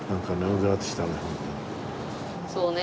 そうね。